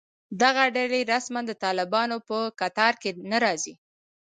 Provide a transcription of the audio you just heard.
دغه ډلې رسماً د طالبانو په کتار کې نه راځي